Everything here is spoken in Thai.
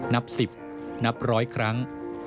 นับ๑๐นับร้อยครั้ง